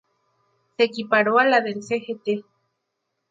Se equiparó a la del "Sgt.